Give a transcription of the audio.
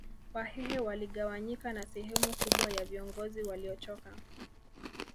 Wahehe waligawanyika na sehemu kubwa ya viongozi waliochoka